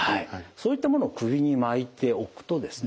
そういったものを首に巻いておくとですね